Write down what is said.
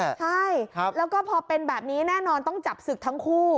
ใช่แล้วก็พอเป็นแบบนี้แน่นอนต้องจับศึกทั้งคู่